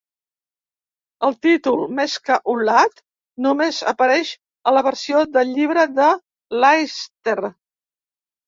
El títol "Mesca Ulad" només apareix a la versió del Llibre de Leinster.